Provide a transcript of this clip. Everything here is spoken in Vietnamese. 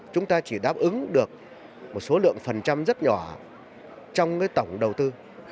chúng ta chỉ đáp ứng được một số lượng phần trăm rất nhỏ trong tổng đầu tư